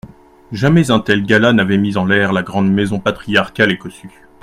Jamais un tel gala n'avait mis en l'air la grande maison patriarcale et cossue.